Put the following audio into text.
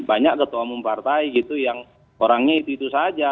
atau umum partai gitu yang orangnya itu itu saja